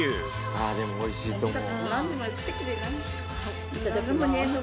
ああでも美味しいと思う。